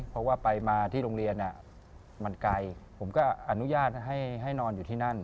เพราะว่าไปมาที่โรงเรียนมันไกลผมก็อนุญาตให้นอนอยู่ที่นั่น